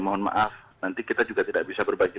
mohon maaf nanti kita juga tidak bisa berbagi